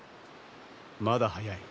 まだ早い。